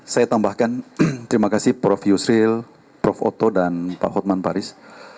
saya tambahkan terima kasih prof yusril prof oto dan pak hotman paris